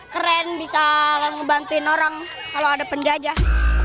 keren bisa ngebantuin orang kalau ada penjajah